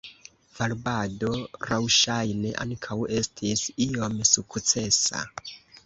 Varbado laŭŝajne ankaŭ estis iom sukcesa.